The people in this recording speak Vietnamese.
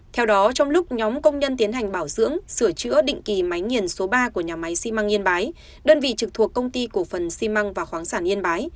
theo đó trong lúc nhóm công nhân tiến hành bảo dưỡng sửa chữa định kỳ máy nghiền số ba của nhà máy xi măng yên bái đơn vị trực thuộc công ty cổ phần xi măng và khoáng sản yên bái